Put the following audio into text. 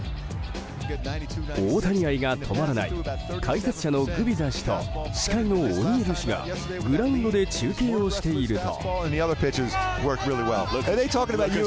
大谷愛が止まらない解説者のグビザ氏と司会のオニール氏がグラウンドで中継をしていると。